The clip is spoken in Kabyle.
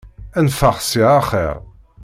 Ad neffeɣ ssya axir!